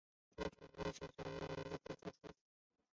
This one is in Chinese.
其他传教士此后均被驱逐。